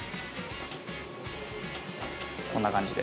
こんな感じで。